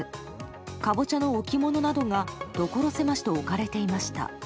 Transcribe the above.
カボチャの置き物などがところ狭しと置かれていました。